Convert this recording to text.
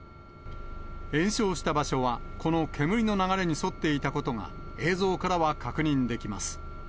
延焼した場所は、この煙の流れに沿っていたことが、映像からは確認できます。